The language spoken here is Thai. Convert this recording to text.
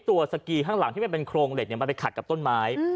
สกีข้างหลังที่มันเป็นโครงเหล็กมันไปขัดกับต้นไม้